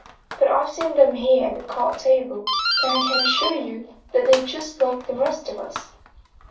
But I've seen them here at the card table and I can assure you that they're just like the rest of us."